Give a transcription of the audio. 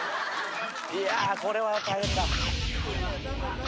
いやこれは大変だ。